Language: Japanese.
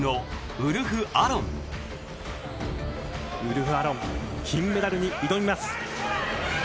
ウルフ・アロン金メダルに挑みます。